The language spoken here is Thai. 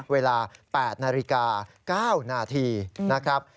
เวลา๘นาฬิกา๙นาทีนะครับ